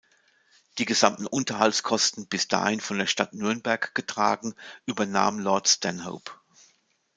Die gesamten Unterhaltskosten, bis dahin von der Stadt Nürnberg getragen, übernahm Lord Stanhope.